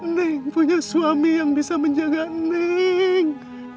neng punya suami yang bisa menjaga neng